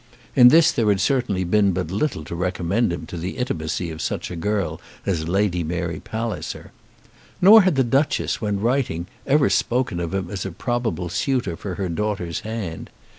In this there had certainly been but little to recommend him to the intimacy of such a girl as Lady Mary Palliser. Nor had the Duchess, when writing, ever spoken of him as a probable suitor for her daughter's hand.